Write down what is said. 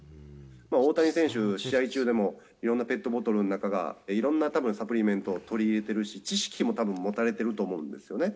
大谷選手、試合中でも、いろんなペットボトルの中が、いろんなたぶんサプリメントを取り入れてるし、知識もたぶん持たれてると思うんですよね。